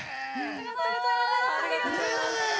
ありがとうございます。